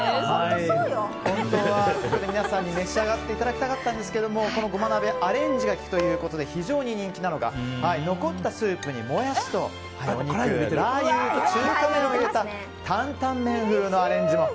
本当はここで皆さんに召し上がっていただきたかったんですが胡麻鍋アレンジが利くということで非常に人気なのが残ったスープにモヤシとラー油、中華麺を入れた担々麺風のアレンジ。